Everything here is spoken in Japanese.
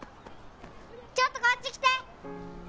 ちょっとこっち来て！